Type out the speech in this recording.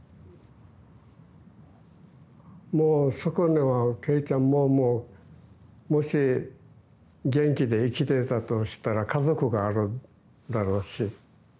もうそこには恵ちゃんももし元気で生きてたとしたら家族があるだろうし。